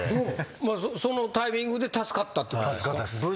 そのタイミングで助かったってことですか？